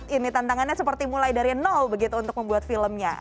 jadi ini tantangannya seperti mulai dari nol begitu untuk membuat filmnya